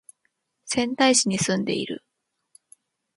仙台市に住んでいる